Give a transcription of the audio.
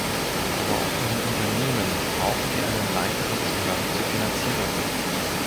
Aber auch in den Unternehmen brauchen wir einen leichteren Zugang zur Finanzierung.